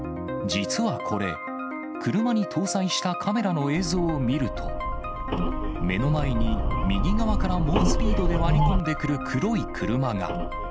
実はこれ、車に搭載したカメラの映像を見ると、目の前に右側から猛スピードで割り込んでくる黒い車が。